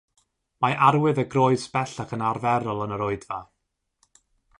Mae arwydd y groes bellach yn arferol yn yr Oedfa.